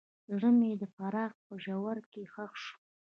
زړه مې د فراق په ژوره کې ښخ شو.